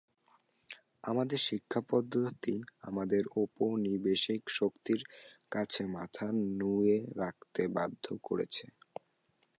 আমাদের শিক্ষা-পদ্ধতি আমাদের ঔপনিবেশিক শক্তির কাছে মাথা নুইয়ে রাখতে বাধ্য করছে।